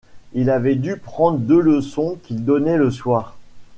Il avait dû prendre deux leçons qu’il donnait le soir.